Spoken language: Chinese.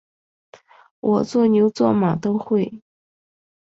我做牛做马都会